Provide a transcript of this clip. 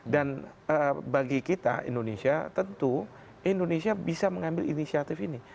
dan bagi kita indonesia tentu indonesia bisa mengambil inisiatif ini